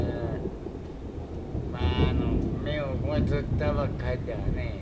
まあ目をごっつったばかりではねえ。